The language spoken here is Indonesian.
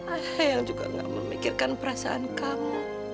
ayang juga enggak memikirkan perasaan kamu